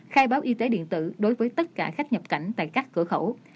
khai báo y tế điện tử đối với tất cả khách nhập cảnh tại các cửa khẩu